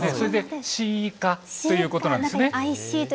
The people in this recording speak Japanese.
それでＣＩ−ＣＡということなんですね。